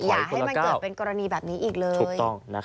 อย่าให้มันเกิดเป็นกรณีแบบนี้อีกเลย